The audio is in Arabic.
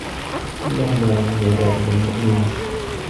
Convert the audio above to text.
إِنَّهُمَا مِنْ عِبَادِنَا الْمُؤْمِنِينَ